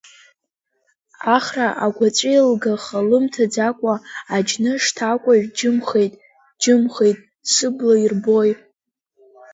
Ахра агәаҵәеилгаха лымҭаӡакәа аџьныш-ҭакәажә џьымхеит, џьымхеит, сыбла ирбои?